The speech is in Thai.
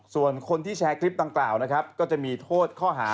ส่วนคนที่แชร์คลิปต่างก็จะมีโทษข้อหา